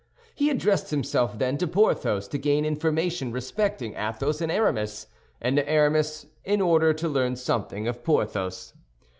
He addressed himself then to Porthos to gain information respecting Athos and Aramis, and to Aramis in order to learn something of Porthos.